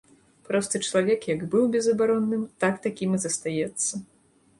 Просты чалавек як быў безабаронным, так такім і застаецца.